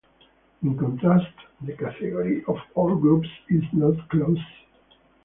In contrast, the category of all groups is not closed.